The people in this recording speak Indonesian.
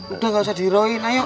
udah gak usah dihirauin ayo